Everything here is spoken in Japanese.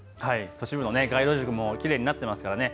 都市部の街路樹もきれいになっていますからね。